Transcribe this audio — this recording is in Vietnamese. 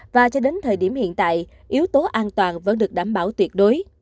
và cho đến thời điểm hiện tại yếu tố an toàn vẫn được đảm bảo tuyệt đối